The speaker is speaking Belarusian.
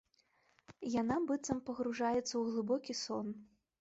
Яна быццам пагружаецца ў глыбокі сон.